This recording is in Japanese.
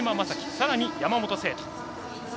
さらに山本聖途。